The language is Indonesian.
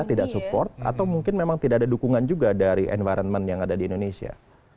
tidak support atau mungkin memang tidak ada dukungan juga dari environment yang ada di indonesia